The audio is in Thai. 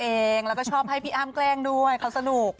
เองแล้วก็ชอบให้พี่อ้ำแกล้งด้วยเขาสนุก